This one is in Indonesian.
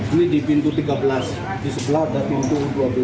ini di pintu tiga belas di sebelah ada pintu dua belas